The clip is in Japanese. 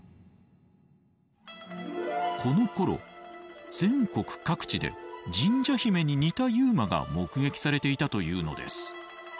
このころ全国各地で神社姫に似たＵＭＡが目撃されていたというのです。